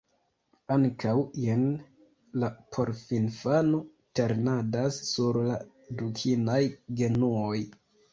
Ankaŭ, jen la porkinfano ternadas sur la dukinaj genuoj.